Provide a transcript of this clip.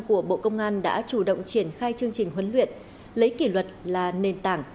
của bộ công an đã chủ động triển khai chương trình huấn luyện lấy kỷ luật là nền tảng